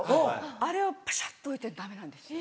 あれをポシャって置いてるとダメなんですよ。